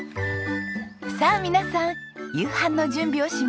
さあ皆さん夕飯の準備をしますよ。